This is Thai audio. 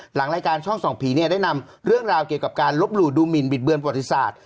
หลังรายการช่องส่องผีเนี่ยได้นำเรื่องราวเกี่ยวกับการลบหลู่ดูหมินบิดเบือนประวัติศาสตร์